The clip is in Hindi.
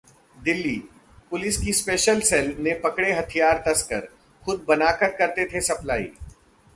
दिल्ली: पुलिस की स्पेशल सेल ने पकड़े हथियार तस्कर, खुद बनाकर करते थे सप्लाई